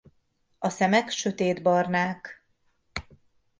A szemek sötétbarnák.